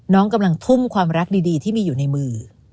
กำลังทุ่มความรักดีที่มีอยู่ในมือ